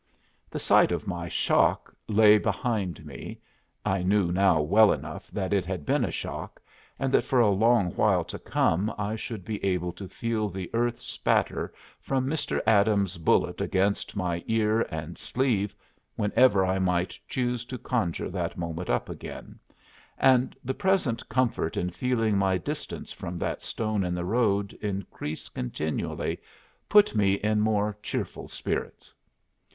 The site of my shock lay behind me I knew now well enough that it had been a shock, and that for a long while to come I should be able to feel the earth spatter from Mr. Adams's bullet against my ear and sleeve whenever I might choose to conjure that moment up again and the present comfort in feeling my distance from that stone in the road increase continually put me in more cheerful spirits.